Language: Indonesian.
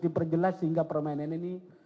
diperjelas sehingga permainan ini